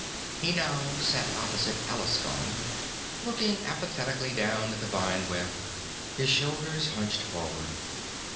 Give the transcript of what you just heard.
He now sat opposite Alaskon, looking apathetically down at the vine web, his shoulders hunched forward.